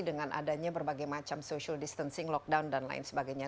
dengan adanya berbagai macam social distancing lockdown dan lain sebagainya